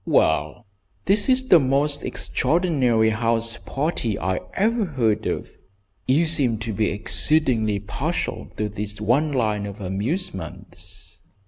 "Well, this is the most extraordinary house party I ever heard of. You seem to be exceedingly partial to this one line of amusements."